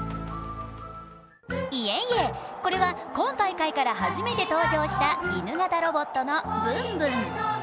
いえいえ、これは今大会から初めて登場した犬型ロボットのブンブン。